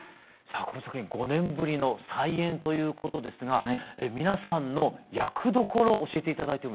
この作品５年ぶりの再演ということですが皆さんの役どころ教えて頂いてもいいですか？